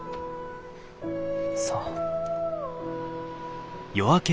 そう。